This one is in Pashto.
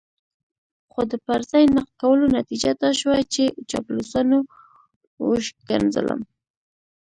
خو د پر ځای نقد کولو نتيجه دا شوه چې چاپلوسانو وشکنځلم.